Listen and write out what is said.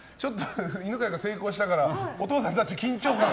犬飼君が成功したからお父さんたち緊張感が。